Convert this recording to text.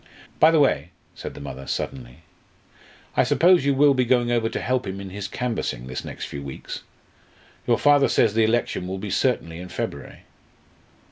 "By the way," said the mother, suddenly, "I suppose you will be going over to help him in his canvassing this next few weeks? Your father says the election will be certainly in February."